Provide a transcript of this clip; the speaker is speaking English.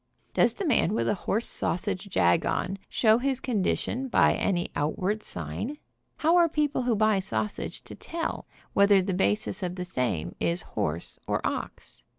Does the man with a horse sausage jag on show his con dition by any outward sign? How are people who buy sausage to tell whether the basis of the same is horse or ox?